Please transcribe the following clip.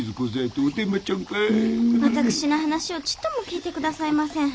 私の話をちっとも聞いて下さいません。